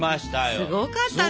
すごかったね。